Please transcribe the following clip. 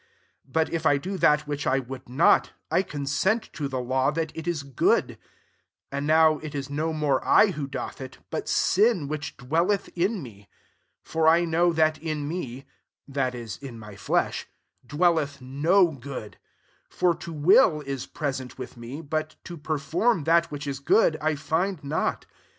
16 But if I do that which I would not, I consent to the law, that it is good. 17 And now it is no more 1 who doth it, but sin which dwelleth in me. 18 For I know that in me (that is, in my flesh), dwelleth no good : for to will is present with me ; but to per form that which is good, I find not.